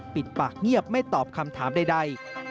ปิดปากเงียบไม่ตอบคำถามใด